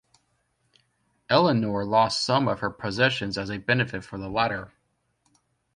Eleonor lost some of her possessions as a benefit for the latter.